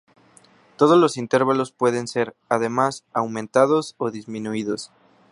Todos los intervalos pueden ser, además, aumentados o disminuidos.